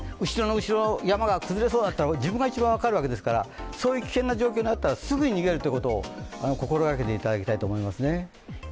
後ろの山が崩れそうだったら、自分が一番分かるわけですから、そういう危険な状況になったらすぐに逃げるということを心がけていただきたいと思いますね。